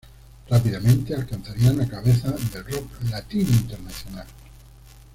Rápidamente alcanzarían la cabeza del Rock Latino Internacional.